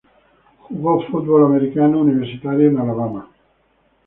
Jugó fútbol americano universitario en Alabama.